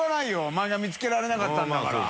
阿見つけられなかったんだから！